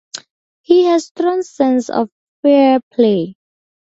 He has strong sense of fair play.